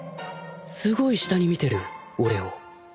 すごい下に見てる俺を